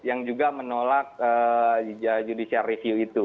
yang juga menolak judicial review itu